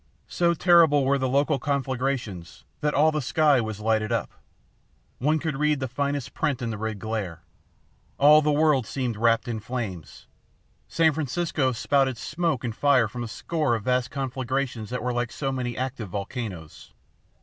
So terrible were the local conflagrations that all the sky was lighted up. One could read the finest print in the red glare. All the world seemed wrapped in flames. San Francisco spouted smoke and fire from a score of vast conflagrations that were like so many active volcanoes.